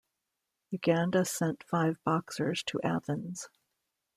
Uganda sent five boxers to Athens.